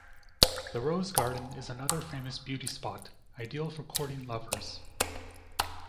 The rose garden is another famous beauty spot, ideal for courting lovers.